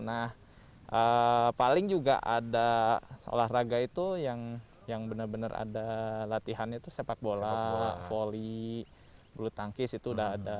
nah paling juga ada olahraga itu yang benar benar ada latihannya itu sepak bola volley bulu tangkis itu udah ada